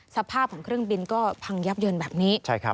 สภาพของเครื่องบินก็พังยับเยินแบบนี้